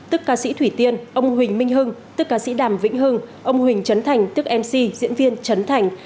tức ca sĩ thủy tiên ông huỳnh minh hưng tức ca sĩ đàm vĩnh hưng ông huỳnh trấn thành tức mc diễn viên trấn thành